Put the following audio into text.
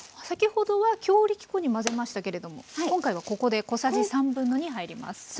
先ほどは強力粉に混ぜましたけれども今回はここで小さじ2/3入ります。